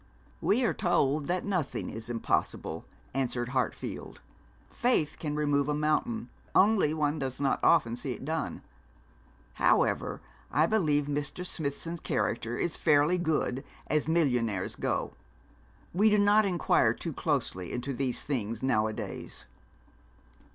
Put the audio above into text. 'We are told that nothing is impossible,' answered Hartfield. 'Faith can remove a mountain; only one does not often see it done. However, I believe Mr. Smithson's character is fairly good as millionaires go. We do not inquire too closely into these things nowadays.'